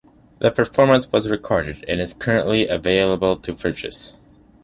The performance was recorded and is currently available to purchase.